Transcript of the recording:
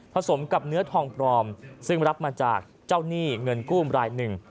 สมกับเนื้อทองปลอมซึ่งรับมาจากเจ้าหนี้เงินกู้รายหนึ่ง